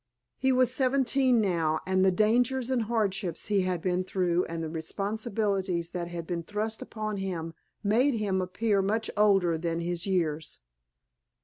He was seventeen now, and the dangers and hardships he had been through and the responsibilities that had been thrust upon him made him appear much older than his years.